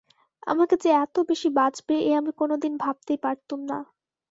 আমাকে যে এত বেশি বাজবে এ আমি কোনোদিন ভাবতেই পারতুম না।